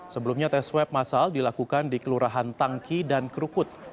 sebelumnya tes swab masal dilakukan di kelurahan tangki dan krukut